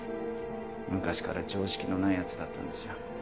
昔から常識のない奴だったんですよ。